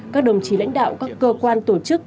các đồng chí lãnh đạo các cơ quan tổ chức